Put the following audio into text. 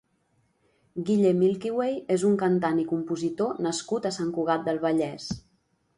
Guille Milkyway és un cantant i compositor nascut a Sant Cugat del Vallès.